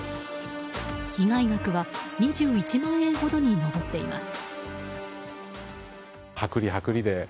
被害額は２１万円ほどに上っています。